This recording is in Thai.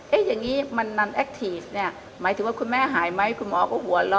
เอ๊ะอย่างนี้มันนันแอคทีน์หมายถึงว่าคุณแม่หายไหมคุณหมอก็หัวล้อ